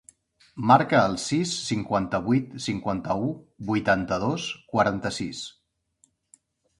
Marca el sis, cinquanta-vuit, cinquanta-u, vuitanta-dos, quaranta-sis.